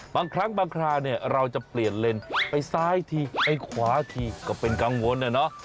บางครั้งบางคราวเนี่ยเราจะเปลี่ยนเลนไปซ้ายทีไปขวาทีก็เป็นกังวลนะเนาะ